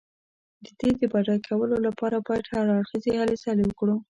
د دې د بډای کولو لپاره باید هر اړخیزې هلې ځلې وکړو.